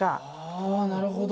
なるほど。